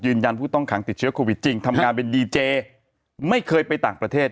ผู้ต้องขังติดเชื้อโควิดจริงทำงานเป็นดีเจไม่เคยไปต่างประเทศ